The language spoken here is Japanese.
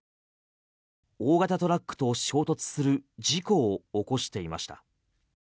大型トラックと衝突する事故を起こしていました。